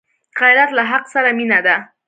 غیرت له حق سره مینه ده